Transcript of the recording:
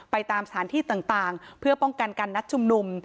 ตามสถานที่ต่างเพื่อป้องกันการนัดชุมนุม